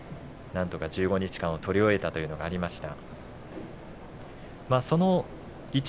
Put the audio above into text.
なんとか１５日間を取り終えたというのがありました。